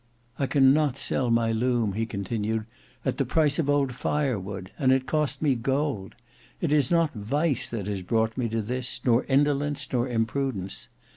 "I cannot sell my loom," he continued, "at the price of old firewood, and it cost me gold. It is not vice that has brought me to this, nor indolence, nor imprudence.